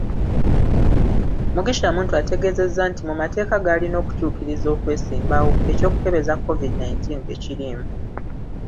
Mugisha Muntu ategeezezza nti mu mateeka g'alina okutuukiriza okwesimbawo, ekyokukebeza Covid nineteen tekiriimu.